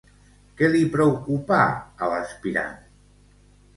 Què li preocupà a l'aspirant?